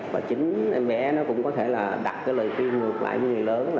và chính em bé nó cũng có thể là đặt cái lời kêu ngược lại với người lớn